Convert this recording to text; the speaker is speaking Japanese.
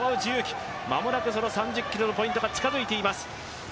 間もなく３０ｋｍのポイントが近づいています。